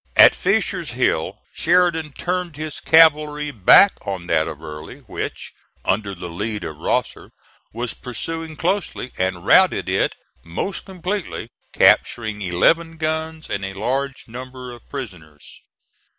At Fisher's Hill Sheridan turned his cavalry back on that of Early, which, under the lead of Rosser, was pursuing closely, and routed it most completely, capturing eleven guns and a large number of prisoners.